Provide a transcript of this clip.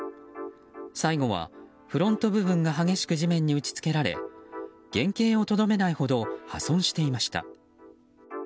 最後は、フロント部分が激しく地面に打ち付けられ原形をとどめないほど破損していました。